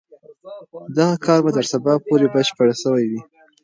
دغه کار به تر سبا پورې بشپړ سوی وي.